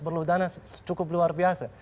perlu dana cukup luar biasa